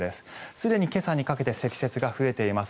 すでに今朝にかけて積雪が増えています。